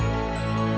tante sudah nyimput p